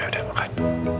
ya udah makan